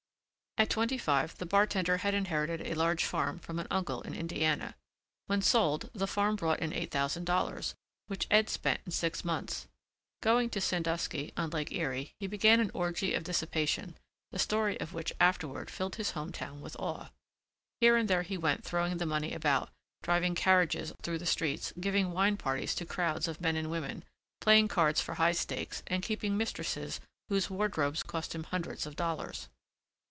At twenty five the bartender had inherited a large farm from an uncle in Indiana. When sold, the farm brought in eight thousand dollars, which Ed spent in six months. Going to Sandusky, on Lake Erie, he began an orgy of dissipation, the story of which afterward filled his home town with awe. Here and there he went throwing the money about, driving carriages through the streets, giving wine parties to crowds of men and women, playing cards for high stakes and keeping mistresses whose wardrobes cost him hundreds of dollars.